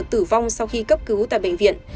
tử vong sau khi cấp cứu tại bệnh viện